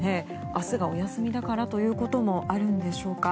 明日がお休みだからということもあるんでしょうか。